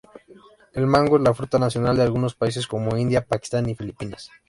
El mango es la fruta nacional de algunos países como India, Pakistán y Filipinas.